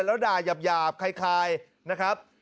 แล้วด่ายาบคล้ายนะครับ